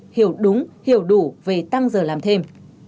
hiểu đúng hiểu đủ về tăng giờ làm thêm